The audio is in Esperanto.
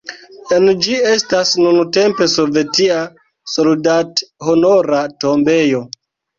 En ĝi estas nuntempe sovetia soldathonora tombejo.